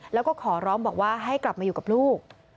แล้วก็ขอร้องบอกว่าให้กลับมาอยู่กับลูก